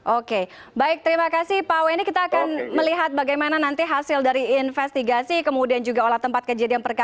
oke baik terima kasih pak weni kita akan melihat bagaimana nanti hasil dari investigasi kemudian juga olah tempat kejadian perkara